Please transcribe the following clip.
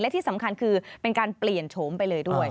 ที่สำคัญคือเป็นการเปลี่ยนโฉมไปเลยด้วย